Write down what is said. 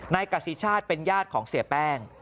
กษิชาติเป็นญาติของเสียแป้ง